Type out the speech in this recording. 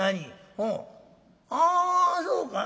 ああそうか。